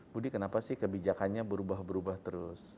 budi kenapa sih kebijakannya berubah berubah terus